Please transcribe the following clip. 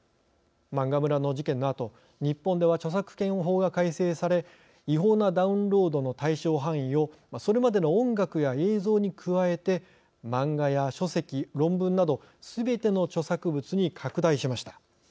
漫画村の事件のあと日本では著作権法が改正され違法なダウンロードの対象範囲をそれまでの音楽や映像に加えて漫画や書籍、論文などすべての著作物に拡大しました。